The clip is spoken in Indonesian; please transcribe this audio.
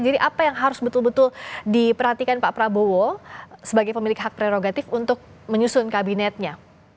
jadi apa yang harus betul betul diperhatikan pak prabowo sebagai pemilik hak prerogatif untuk menyusun kabinetnya